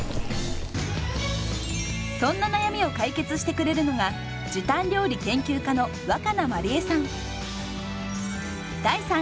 そんな悩みを解決してくれるのが時短料理研究家の若菜まりえさん。